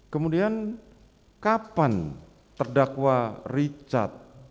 kemudian kapan terdakwa richard